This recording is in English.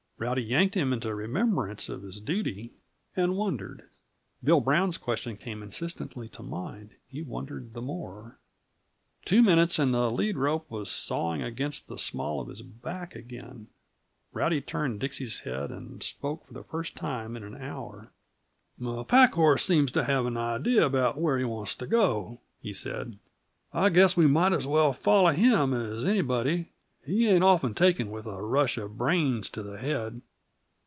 Rowdy yanked him into remembrance of his duty, and wondered. Bill Brown's question came insistently to mind; he wondered the more. Two minutes and the lead rope was sawing against the small of his back again. Rowdy turned Dixie's head, and spoke for the first time in an hour. "My packhorse seems to have an idea about where he wants to go," he said. "I guess we might as well follow him as anybody; he ain't often taken with a rush of brains to the head.